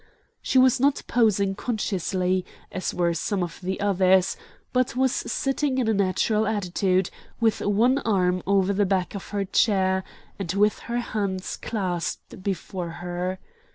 She was not posing consciously, as were some of the others, but was sitting in a natural attitude, with one arm over the back of her chair, and with her hands clasped before her.